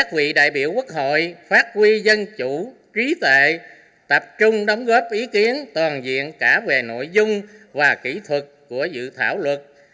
quốc hội phát huy dân chủ trí tệ tập trung đóng góp ý kiến toàn diện cả về nội dung và kỹ thuật của dự thảo luật